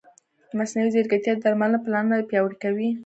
مصنوعي ځیرکتیا د درملنې پلانونه پیاوړي کوي.